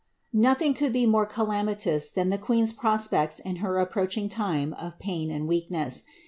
'' Nothing could be more calamitous than the queen^s prospects in her approaching time of pain and weakness.